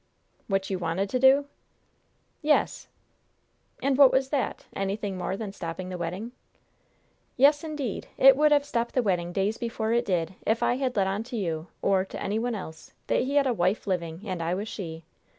"What you wanted to do?" "Yes!" "And what was that? Anything more than stopping the wedding?" "Yes, indeed! It would have stopped the wedding days before it did if I had let on to you, or to any one else, that he had a wife living, and I was she!